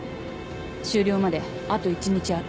終了まであと１日ある。